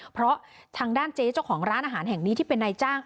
เพราะทางด้านเจ๊เจ้าของร้านอาหารแห่งนี้ที่เป็นนายจ้าง